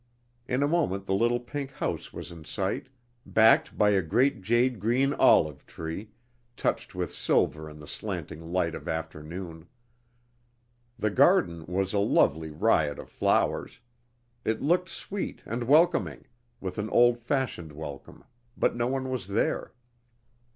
In a moment the little pink house was in sight, backed by a great jade green olive tree, touched with silver in the slanting light of afternoon. The garden was a lovely riot of flowers. It looked sweet and welcoming, with an old fashioned welcome, but no one was there.